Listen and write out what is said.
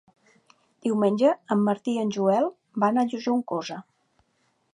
Diumenge en Martí i en Joel van a Juncosa.